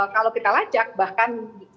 kalau kita lacak bahkan